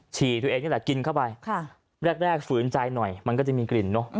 ฉี่ตัวเองนี่แหละกินเข้าไปแรกแรกฝืนใจหน่อยมันก็จะมีกลิ่นเนอะ